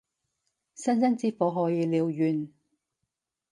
星星之火可以燎原